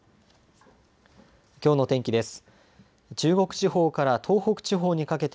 きょうの天気です。